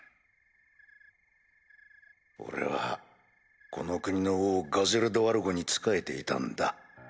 俺はこの国の王ガゼル・ドワルゴに仕えていたんだ。